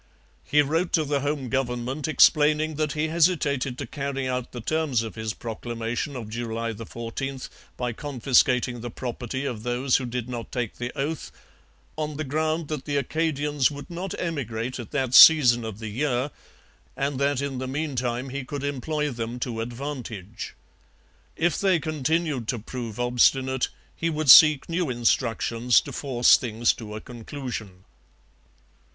He wrote to the home government explaining that he hesitated to carry out the terms of his proclamation of July 14 by confiscating the property of those who did not take the oath, on the ground that the Acadians would not emigrate at that season of the year, and that in the meantime he could employ them to advantage. If they continued to prove obstinate, he would seek new instructions to force things to a conclusion.